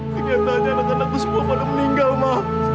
kenyataannya anak anakku semua pada meninggal ma